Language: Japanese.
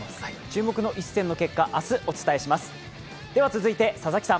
注目の一戦の結果、明日お伝えします。